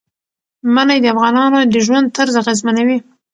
منی د افغانانو د ژوند طرز اغېزمنوي.